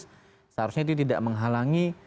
demokratis seharusnya itu tidak menghalangi